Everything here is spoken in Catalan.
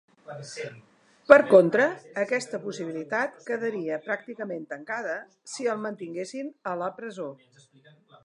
Per contra, aquesta possibilitat quedaria pràcticament tancada si el mantinguessin a la presó.